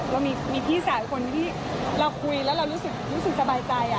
เรามีพี่สาวคนที่เราคุยแล้วเรารู้สึกสบายใจ